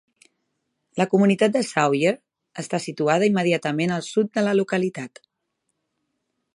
La comunitat de Sawyer està situada immediatament al sud de la localitat.